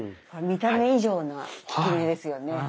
見た目以上な効き目ですよね。